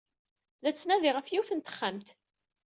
La ttnadiɣ ɣef yiwet n texxamt.